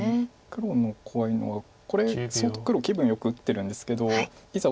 黒の怖いのはこれ相当黒気分よく打ってるんですけどいざ